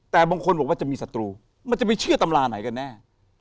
แต่บางคนบอกว่าจะมีศัตรูมันจะไปเชื่อตำราไหนกันแน่